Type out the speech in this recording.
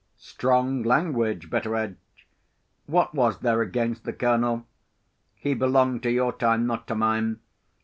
"Strong language, Betteredge! What was there against the Colonel. He belonged to your time, not to mine.